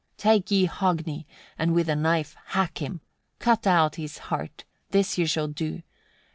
55. Take ye Hogni, and with a knife hack him: cut out his heart: this ye shall do.